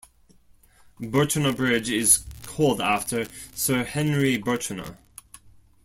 Birchenough Bridge is called after Sir Henry Birchenough.